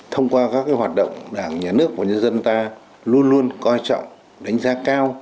thông qua các hoạt động đảng nhà nước và nhân dân ta luôn luôn coi trọng đánh giá cao